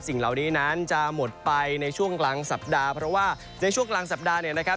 สิ่งเหล่านี้นั้นจะหมดไปในช่วงกลางสัปดาห์เพราะว่าในช่วงกลางสัปดาห์เนี่ยนะครับ